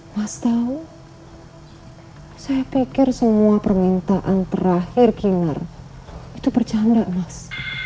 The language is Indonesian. pas tahu saya pikir semua permintaan terakhir kinar itu bercanda mas